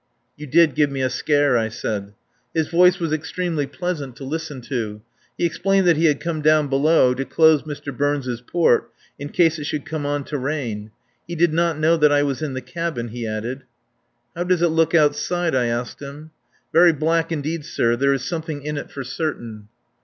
"You did give me a scare," I said. His voice was extremely pleasant to listen to. He explained that he had come down below to close Mr. Burns' port in case it should come on to rain. "He did not know that I was in the cabin," he added. "How does it look outside?" I asked him. "Very black, indeed, sir. There is something in it for certain."